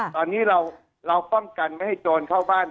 ตอนนี้เราป้องกันไม่ให้โจรเข้าบ้าน